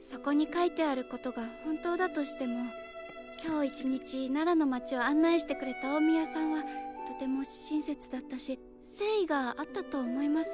そこに書いてあることが本当だとしても今日１日奈良の街を案内してくれた大宮さんはとても親切だったし誠意があったと思います。